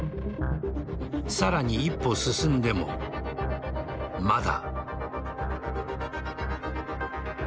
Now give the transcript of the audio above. さらに一歩進んでも、まだ。